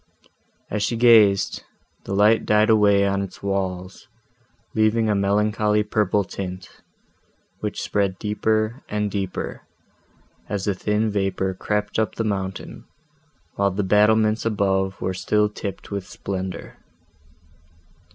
As she gazed, the light died away on its walls, leaving a melancholy purple tint, which spread deeper and deeper, as the thin vapour crept up the mountain, while the battlements above were still tipped with splendour.